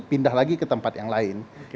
pindah lagi ke tempat yang lain